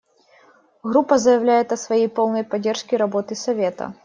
Группа заявляет о своей полной поддержке работы Совета.